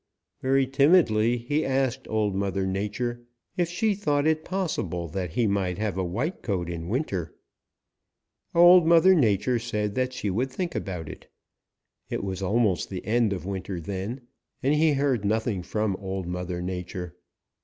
Very timidly he asked Old Mother Nature if she thought it possible that he might have a white coat in winter. Old Mother Nature said that she would think about it. It was almost the end of winter then, and he heard nothing from Old Mother Nature.